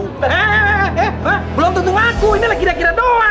hehehe belum tentu ngaku inilah kira kira doang